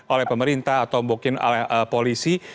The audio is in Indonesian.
oleh pemerintah atau mungkin oleh polisi